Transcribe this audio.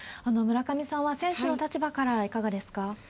村上さんは選手の立場から、いかがですか？